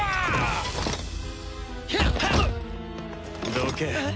どけ。